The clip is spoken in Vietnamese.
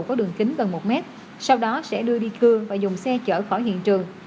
có đường kính gần một mét sau đó sẽ đưa đi cương và dùng xe chở khỏi hiện trường